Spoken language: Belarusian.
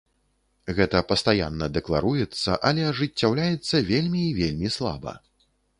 Гэта пастаянна дэкларуецца, але ажыццяўляецца вельмі і вельмі слаба.